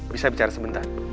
bisa bicara sebentar